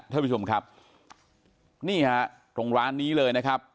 ท่านผู้ชมครับนี่ฮะตรงร้านนี้เลยนะครับ